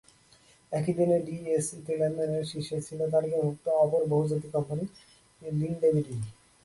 একই দিনে ডিএসইতে লেনদেনের শীর্ষে ছিল তালিকাভুক্ত অপর বহুজাতিক কোম্পানি লিনডে বিডি।